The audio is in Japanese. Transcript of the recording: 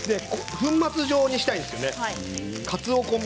粉末にしたいんですよね。